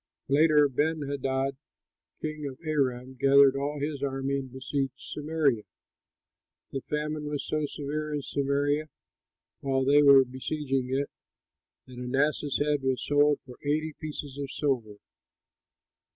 Later, Benhadad, king of Aram, gathered all his army and besieged Samaria. The famine was so severe in Samaria while they were besieging it, that an ass's head was sold for eighty pieces of silver.